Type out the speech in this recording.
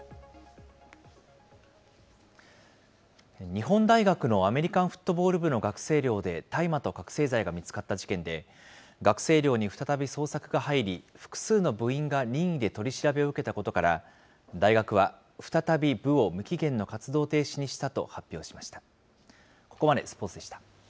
日本大学のアメリカンフットボール部の学生寮で大麻と覚醒剤が見つかった事件で、学生寮に再び捜索が入り、複数の部員が任意で取り調べを受けたことから、大学は再び部を無期限の活動停止にしたと発表しました。